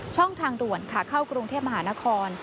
ช่องทางด่วนขาเข้ากรุงเทพมหานคร